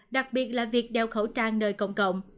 đặc biệt là việc đeo khẩu trang nơi công cộng